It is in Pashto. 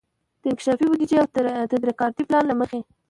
د انکشافي بودیجې او تدارکاتي پلان له مخي